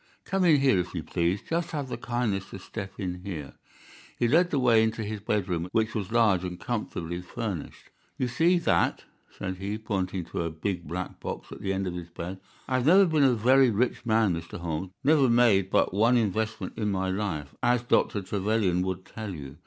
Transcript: "Come in here, if you please. Just have the kindness to step in here." He led the way into his bedroom, which was large and comfortably furnished. "You see that," said he, pointing to a big black box at the end of his bed. "I have never been a very rich man, Mr. Holmes—never made but one investment in my life, as Dr. Trevelyan would tell you.